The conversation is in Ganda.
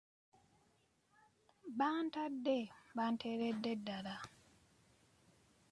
Bantadde banteeredde ddala.